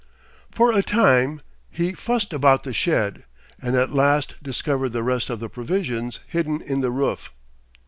For a time he fussed about the shed, and at last discovered the rest of the provisions hidden in the roof.